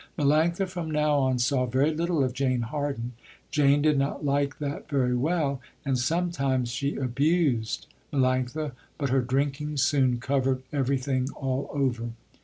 Melanctha from now on saw very little of Jane Harden. Jane did not like that very well and sometimes she abused Melanctha, but her drinking soon covered everything all over.